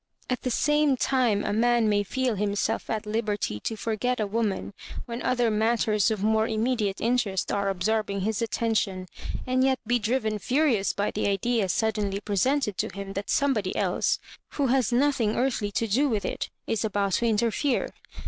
At the same time a man may feel himself at liberty to forget a woman when other matters of more immediate interest are absorbing his attention, and yet be driven furious by the idea suddenly presented to him that somebody else, who has nothing earthly to do with it, is about to interfere.